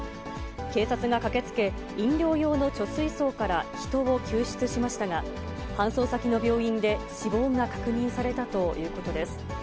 警察が駆けつけ、飲料用の貯水槽から人を救出しましたが、搬送先の病院で死亡が確認されたということです。